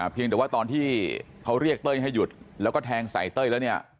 เพียงแต่ว่าตอนที่เขาเรียกเต้ยให้หยุดแล้วก็แทงใส่เต้ยแล้วเนี่ย